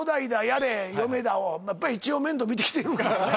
やれ嫁だをやっぱり一応面倒見てきてるからね